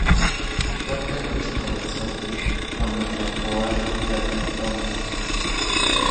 Ipatka non chikometsontli uan matlakpoali platajtomin.